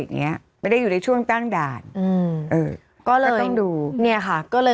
เนี้ยไม่ได้อยู่ในช่วงตั้งด่านอืมเออก็เลยต้องดูเนี่ยค่ะก็เลย